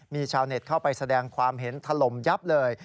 มีชาวเน็ตเข้าไปแสดงความเห็นถล่มยับเลย